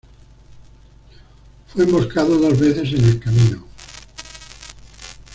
Fue emboscado dos veces en el camino.